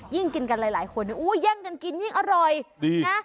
ยิ่งกินกันหลายคนแย่งกันกินยิ่งอร่อยดีนะ